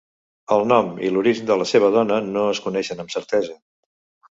El nom i l'origen de la seva dona no es coneixen amb certesa.